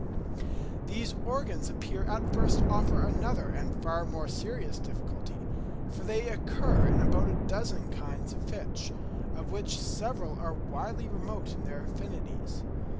These organs appear at first to offer another and far more serious difficulty; for they occur in about a dozen kinds of fish, of which several are widely remote in their affinities.